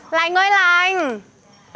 lanh ơi lanh